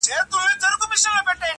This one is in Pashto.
اوس مي د سپين قلم زهره چاودلې.